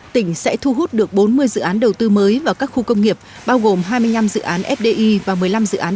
tỉnh sẽ thu hút được bốn mươi dự án đầu tư mới vào các khu công nghiệp bao gồm hai mươi năm dự án fdi và một mươi năm dự án